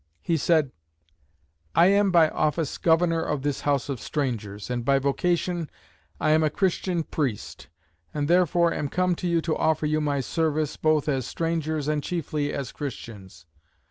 He said, "I am by office governor of this House of Strangers, and by vocation I am a Christian priest: and therefore am come to you to offer you my service, both as strangers and chiefly as Christians.